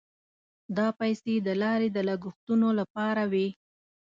دا پیسې د لارې د لګښتونو لپاره وې.